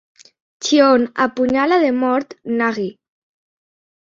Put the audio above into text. Xion apunyala de mort Nagi.